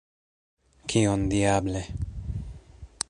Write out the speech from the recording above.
Kion, diable!